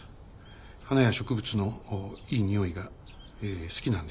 花や植物のいい匂いがええ好きなんです。